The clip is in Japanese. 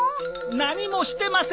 何もしてません！